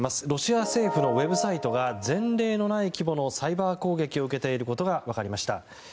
ロシア政府のウェブサイトが前例のない規模のサイバー攻撃を受けていることが分かりました。